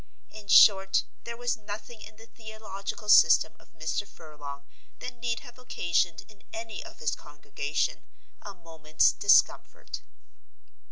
In short, there was nothing in the theological system of Mr. Furlong that need have occasioned in any of his congregation a moment's discomfort.